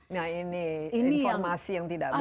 nah ini informasi yang tidak benar